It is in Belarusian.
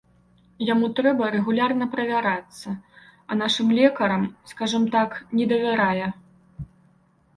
Яму трэба рэгулярна правярацца, а нашым лекарам, скажам так, не давярае.